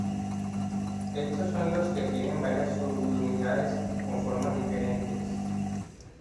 Estos son los que tienen varias subunidades con formas diferentes.